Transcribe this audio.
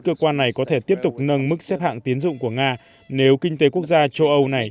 cơ quan này có thể tiếp tục nâng mức xếp hạng tín dụng của nga nếu kinh tế quốc gia châu âu này